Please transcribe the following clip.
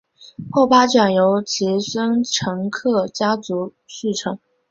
后八卷由其孙陈克家续成。